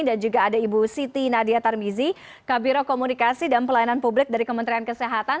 dan juga ada ibu siti nadia tarmizi kabiro komunikasi dan pelayanan publik dari kementerian kesehatan